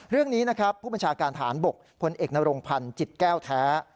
เรื่องนี้นะครับผู้บัญชาการฐานบกพลเอกนรงพันธ์จิตแก้วแท้